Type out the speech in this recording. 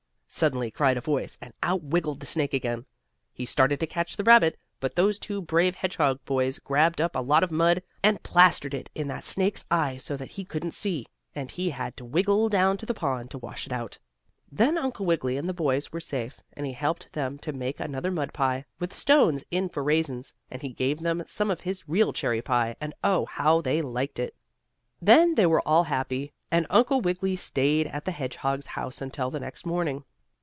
suddenly cried a voice, and out wiggled the snake again. He started to catch the rabbit, but those two brave hedgehog boys grabbed up a lot of mud, and plastered it in that snake's eyes so that he couldn't see, and he had to wiggle down to the pond to wash it out. Then Uncle Wiggily and the boys were safe, and he helped them to make another mud pie, with stones in for raisins, and he gave them some of his real cherry pie, and oh! how they liked it! Then they were all happy, and Uncle Wiggily stayed at the hedgehog's house until the next morning.